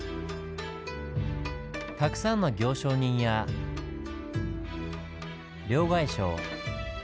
たくさんの行商人や両替商。